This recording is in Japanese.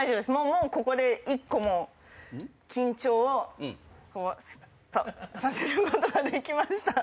もうここで１個緊張をすっとさせることができました。